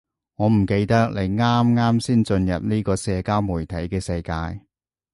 我唔記得你啱啱先進入呢個社交媒體嘅世界